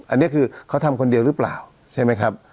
อันนี้คือเขาทำคนเดียวหรือเปล่าใช่ไหมครับ